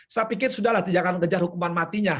saya pikir sudah lah tidak akan kejar hukuman matinya